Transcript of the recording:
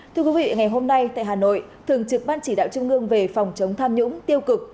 thưa quý vị ngày hôm nay tại hà nội thường trực ban chỉ đạo trung ương về phòng chống tham nhũng tiêu cực